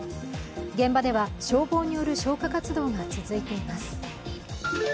現場では消防による消火活動が続いています。